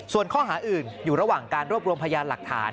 ส่วนข้อหาอื่นอยู่ระหว่างการรวบรวมพยานหลักฐาน